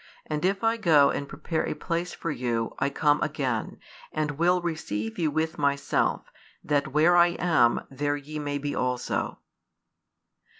And if I go and prepare a place for you, I come again, and will receive you with Myself; that where I am, there ye may be also.